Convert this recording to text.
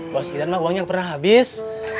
bos idan mah uangnya pernah habis